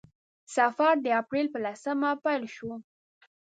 سفر د اپریل په لسمه پیل شو.